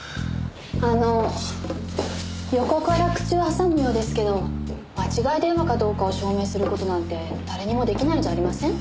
あの横から口を挟むようですけど間違い電話かどうかを証明する事なんて誰にも出来ないんじゃありません？